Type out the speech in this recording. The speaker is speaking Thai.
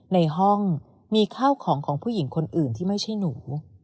ในห้องมีข้าวของของผู้หญิงคนอื่นที่ไม่ใช่หนู